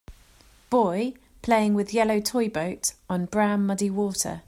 Boy playing with yellow toy boat on brown muddy water.